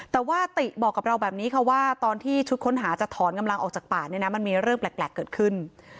แต่ว่าติบอกกับเราแบบนี้ค่ะว่าตอนที่ชุดค้นหาจะถอนกำลังออกจากป่าเนี่ยนะมันมีเรื่องแปลกเกิดขึ้น